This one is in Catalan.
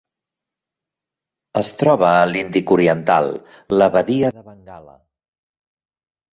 Es troba a l'Índic oriental: la badia de Bengala.